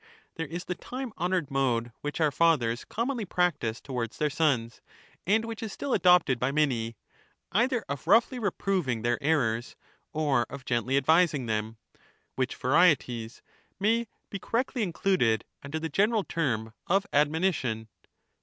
There is the time honoured mode which our fathers commonly practised towards their sons, and which is still adopted by many— either of roughly reproving their errors, 230 or of gently advising them ; which varieties may be correctly included under the general term of admonition.